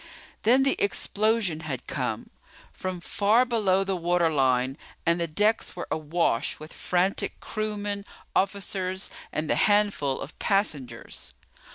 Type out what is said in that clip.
Then the explosion had come, from far below the waterline, and the decks were awash with frantic crewmen, officers, and the handful of passengers.